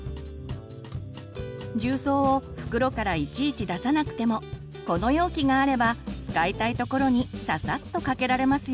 重曹を袋からいちいち出さなくてもこの容器があれば使いたいところにささっとかけられますよ。